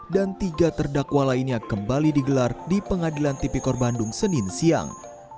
dan tiga terdakwa lainnya kembali digelar di pengadilan tipikor bandung senin siang